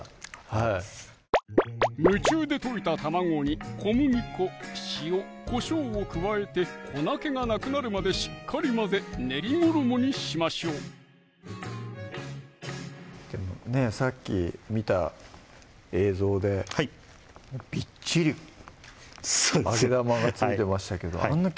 はい夢中で溶いた卵に小麦粉・塩・こしょうを加えて粉けがなくなるまでしっかり混ぜ練り衣にしましょうさっき見た映像ではいびっちり揚げ玉が付いてましたけどあんな